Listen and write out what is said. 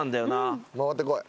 回ってこい。